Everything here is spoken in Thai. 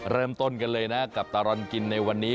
เริ่มต้นกันเลยนะกับตลอดกินในวันนี้